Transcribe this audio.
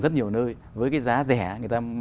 rất nhiều nơi với cái giá rẻ